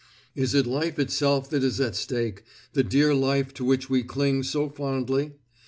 Is it life itself that is at stake; the dear life to which we cling so fondly?